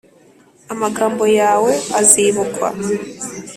amagambo yawe azibukwa